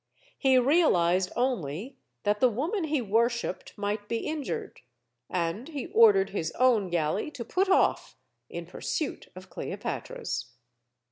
He realized only that the woman he worshipped might be injured. And he ordered his own galley to put off in pursuit of Cleopatra's.